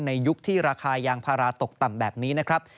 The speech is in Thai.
ยุคที่ราคายางพาราตกต่ำแบบนี้นะครับ